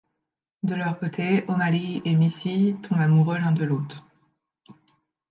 De leur côté O'Malley et Missy tombent amoureux l'un de l'autre.